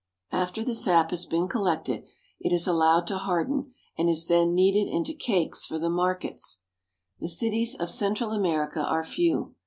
After the sap has been collected, it is allowed to harden, and is then kneaded into cakes for the markets. THE ISTHMUS OF PANAMA. 351 The cities of Central America are few.